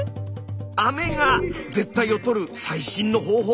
アメが舌苔を取る最新の方法？